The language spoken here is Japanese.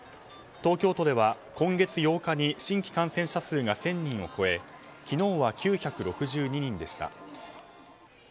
東京都では今月８日に新規感染者数が１０００人を超え昨日は９６２人でした。